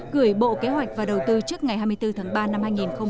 gửi bộ kế hoạch và đầu tư trước ngày hai mươi bốn tháng ba năm hai nghìn hai mươi